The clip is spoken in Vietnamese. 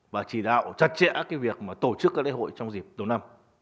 và chỉ đạo chặt chẽ cái việc mà tổ chức các lễ hội trong dịp đầu năm